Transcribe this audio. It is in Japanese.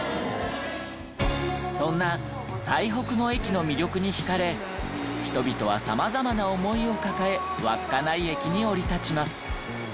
そんな最北の駅の魅力に惹かれ人々は様々な思いを抱え稚内駅に降り立ちます。